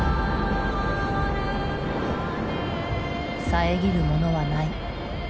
遮るものはない。